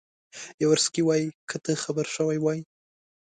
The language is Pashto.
یاورسکي وایي که ته خبر شوی وای.